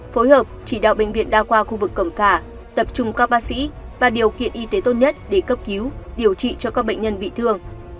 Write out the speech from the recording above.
phối hợp chỉ đạo bệnh viện đa khoa khu vực cổng cả tập trung các bác sĩ và điều kiện y tế tốt nhất để cấp cứu điều trị cho các bệnh nhân bị thương